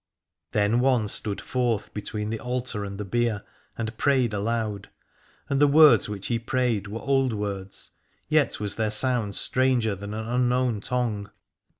Then one stood forth between the altar and the bier, and prayed aloud; and the words which he prayed were old words, yet was their sound stranger than an unknown tongue.